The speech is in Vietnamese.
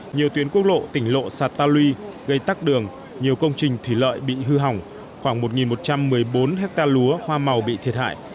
nhiều tuyến quốc lộ tỉnh lộ sạt ta luy gây tắc đường nhiều công trình thủy lợi bị hư hỏng khoảng một một trăm một mươi bốn hectare lúa hoa màu bị thiệt hại